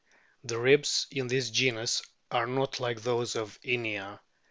The ribs in this o enus are not like those of Inia.